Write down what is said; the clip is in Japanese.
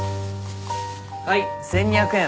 はい１，２００円。